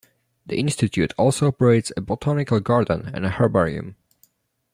The Institute also operates a botanical garden and a herbarium.